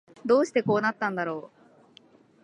どうしてこうなったんだろう